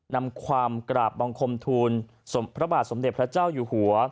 นำความกราบบังคมทูลพระบาทสมเด็จพระเจ้าอยู่หัว